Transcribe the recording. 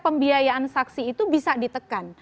pembiayaan saksi itu bisa ditekan